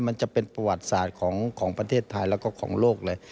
มันจะเป็นประวัติศาสตร์ของประเทศไทยแล้วก็ของโลกเลย